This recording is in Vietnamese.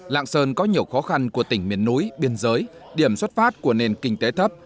lạng sơn có nhiều khó khăn của tỉnh miền núi biên giới điểm xuất phát của nền kinh tế thấp